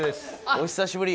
お久しぶり。